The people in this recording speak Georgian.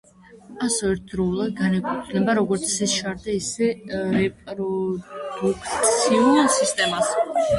ასო ერთდროულად განეკუთვნება როგორც საშარდე, ისე რეპროდუქციულ სისტემას.